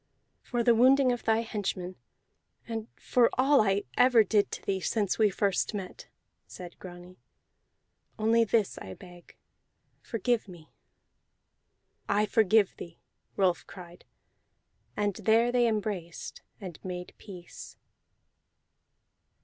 "For the wounding of thy henchmen, and for all I ever did to thee since first we met," said Grani, "only this I beg: Forgive me!" "I forgive thee!" Rolf cried, and there they embraced and made peace.